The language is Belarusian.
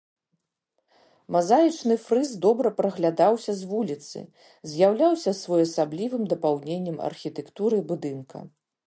Мазаічны фрыз добра праглядаўся з вуліцы, з'яўляўся своеасаблівым дапаўненнем архітэктуры будынка.